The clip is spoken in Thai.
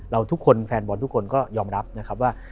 ทุกคนแฟนบอลทุกคนก็ยอมรับนะครับว่า